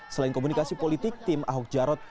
selain komunikasi politik tim ahok jarot